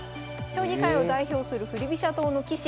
将棋界を代表する振り飛車党の棋士